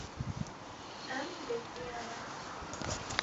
Em bizdiyane.